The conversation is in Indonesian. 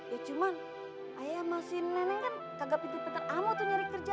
yaa cuma ae sama si nenek kan kagak pindah ke tempat amu tuh nyari kerja